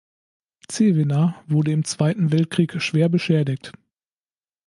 Zevenaar wurde im Zweiten Weltkrieg schwer beschädigt.